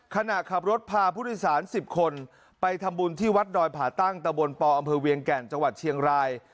ขณะขับรถพาผู้โดยสาร๑๐คนไปทำบุญที่วัดดอยผ่าตั้งตะบนปอำเภอเวียงแก่นจังหวัดเชียงราย